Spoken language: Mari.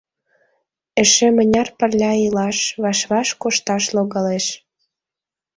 Эше мыняр пырля илаш, ваш-ваш кошташ логалеш...